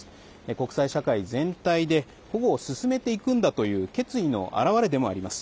国際社会全体で保護を進めていくんだという決意の表れでもあります。